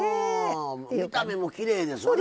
あ見た目もきれいですな。